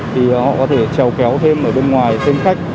thì họ có thể trèo kéo thêm ở bên ngoài xin khách